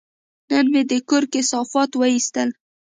نن مې د کور کثافات وایستل.